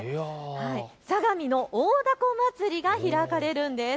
さがみの大凧まつりが開かれるんです。